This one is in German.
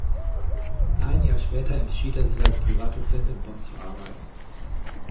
Ein Jahr später entschied er sich als Privatdozent in Bonn zu arbeiten.